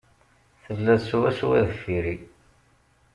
Tella swaswa deffir-i.